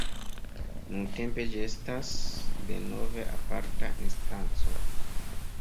Nuntempe ĝi estas denove aparta instanco.